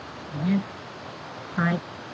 はい。